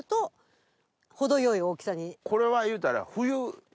これはいうたら。